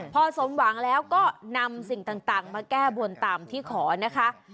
พอสมหวังแล้วก็นำสิ่งต่างมาแก้บนตามที่ขอนะคะ